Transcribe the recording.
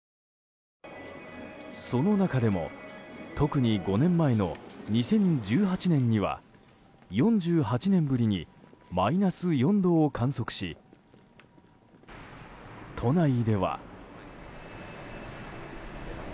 その中でも特に５年前の２０１８年には４８年ぶりにマイナス４度を観測し都内では。